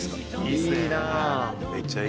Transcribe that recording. いいなあ！